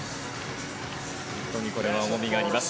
本当に、これは重みがあります。